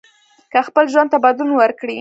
که خپل ژوند ته بدلون ورکړئ